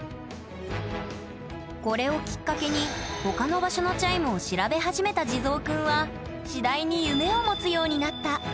これをきっかけにほかの場所のチャイムを調べ始めた地蔵くんは次第に夢を持つようになった。